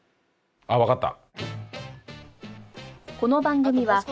あっわかった。